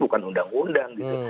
bukan undang undang gitu